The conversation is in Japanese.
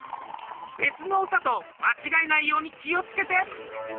別の歌と間違えないように気をつけて！